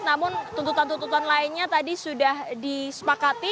namun tuntutan tuntutan lainnya tadi sudah disepakati